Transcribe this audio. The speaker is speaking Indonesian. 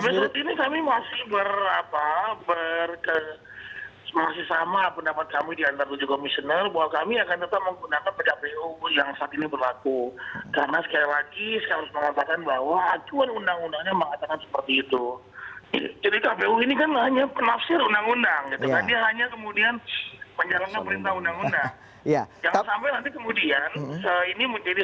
sampai saat ini kami masih berapa berke